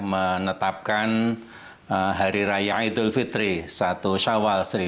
menetapkan hari raya idul fitri jatuh pada senin dua ribu dua puluh dua